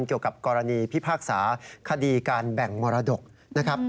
เกี่ยวกับกรณีพิพากษาคดีการแบ่งมรดกนะครับ